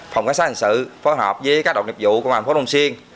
phòng cảnh sát hành sự phối hợp với các độc nghiệp vụ công an phố long xuyên